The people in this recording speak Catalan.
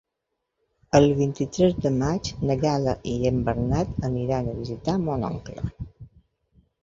El vint-i-tres de maig na Gal·la i en Bernat aniran a visitar mon oncle.